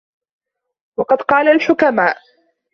وَقَدْ قَالَ الْحُكَمَاءُ